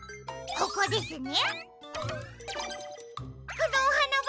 ここですね！